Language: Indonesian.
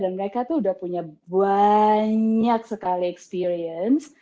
mereka tuh udah punya banyak sekali experience